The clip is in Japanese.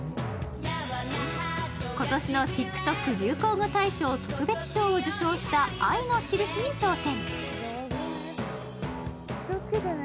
今年のＴｉｋＴｏｋ流行語大賞特別賞を受賞した「愛のしるし」に挑戦。